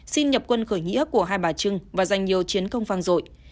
xin nhập quân khởi nghĩa của hai bà trưng và dành nhiều chiến công phang rội